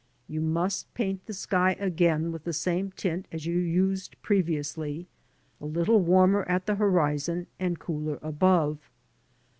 You must paint the sky again with the same tint as you used previously, a little warmer at the horizon, and cooler above.